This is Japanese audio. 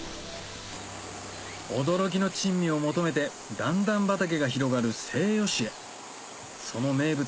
驚きの珍味を求めて段々畑が広がる西予市へその名物